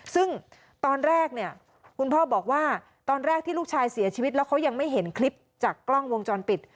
ซึ่งตอนแรกเนี่ยคุณพ่อบอกว่าตอนแรกที่ลูกชายเสียชีวิตแล้วเขายังไม่เห็นคลิปจากกล้องวงจรปิด